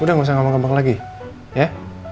udah gak usah ngomong ngomong lagi ya